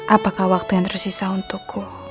apakah waktu yang tersisa untukku